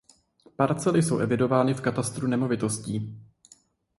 Parcely jsou evidovány v katastru nemovitostí.